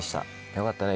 よかったね